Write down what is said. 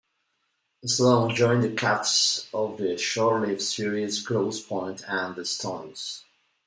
Sloane joined the casts of the short-lived series "Grosse Pointe" and "The Stones".